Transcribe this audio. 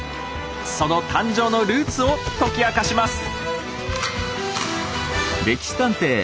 その誕生のルーツを解き明かします。